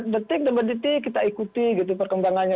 detik demi detik kita ikuti perkembangannya